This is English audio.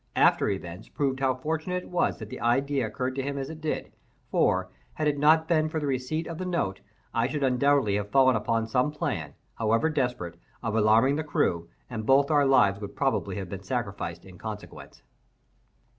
After events proved how fortunate it was that the idea occurred to him as it did; for, had it not been for the receipt of the note, I should undoubtedly have fallen upon some plan, however desperate, of alarming the crew, and both our lives would most probably have been sacrificed in consequence.